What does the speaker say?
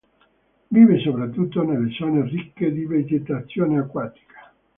Vive soprattutto nelle zone ricche di vegetazione acquatica.